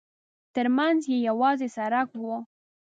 ترمنځ یې یوازې سړک و.